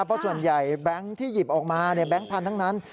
เพราะส่วนใหญ่แบงค์ที่หยิบออกมาแบงค์พันธุ์ทั้งนั้น